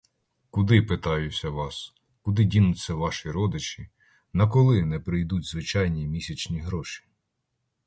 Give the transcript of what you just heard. Куди, питаюся вас, куди дінуться ваші родичі, наколи не прийдуть звичайні місячні гроші?